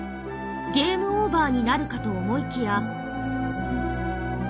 ゲームオーバーになるかと思いきや。